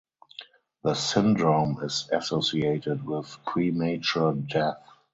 The syndrome is associated with premature death.